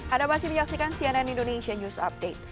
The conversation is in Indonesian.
ada masih diaksikan cnn indonesia news update